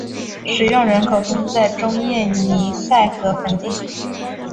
使用人口分布在中叶尼塞河盆地。